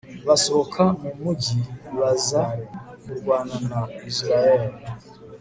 basohoka mu mugi baza kurwana na israheli